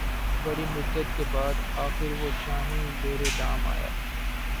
بڑی مدت کے بعد آخر وہ شاہیں زیر دام آیا